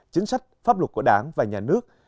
chính sách pháp luật của đảng và nhà nước